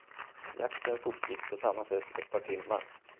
Jakten fortgick på samma sätt ett par timmar.